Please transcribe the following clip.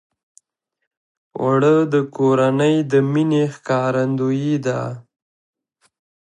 اوړه د کورنۍ د مینې ښکارندویي ده